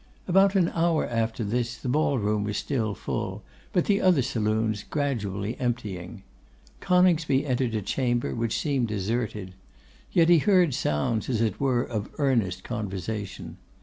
About an hour after this, the ball room still full, but the other saloons gradually emptying, Coningsby entered a chamber which seemed deserted. Yet he heard sounds, as it were, of earnest conversation.